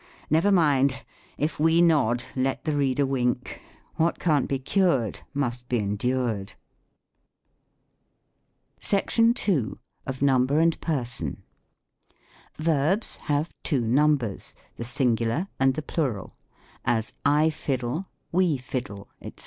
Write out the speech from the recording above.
Never mind. If we nod, let the reader wink. What can't be cured must be endured. I I ETYMOLOGY. 53 SECTION II. OF NUMBER AND PKRSO.V. Verbs have two numbers, the Singular and the Plural : as, " I fiddle, we fiddle, "*&c.